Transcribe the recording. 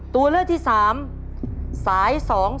ตัวเลือกที่๓สาย๒๔